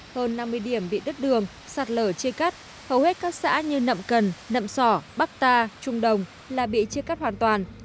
hơn năm mươi điểm bị đứt đường sạt lở chia cắt hầu hết các xã như nậm cần nậm sỏ bắc ta trung đồng là bị chia cắt hoàn toàn